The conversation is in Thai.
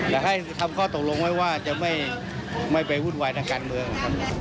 แต่ให้ทำข้อตรงลงไว้ว่าจะไม่ไปวุ่นวายในการเมือง